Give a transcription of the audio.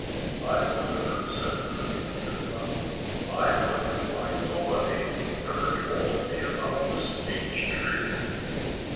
"I wonder " said Grunty Pig aloud "I wonder why nobody ever told me about this beech tree."